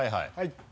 はい。